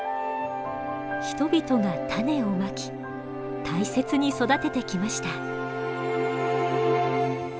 人々が種をまき大切に育ててきました。